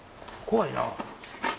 怖いな。